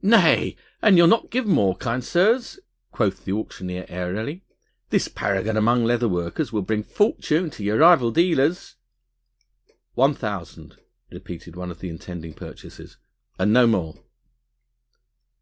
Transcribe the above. "Nay! an you'll not give more, kind sirs," quoth the auctioneer airily, "this paragon among leather workers will bring fortune to your rival dealers...." "One thousand," repeated one of the intending purchasers, "and no more."